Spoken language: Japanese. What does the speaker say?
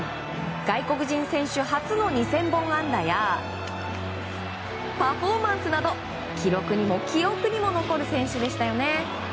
外国人選手初の２０００本安打やパフォーマンスなど記録にも記憶にも残る選手でしたよね。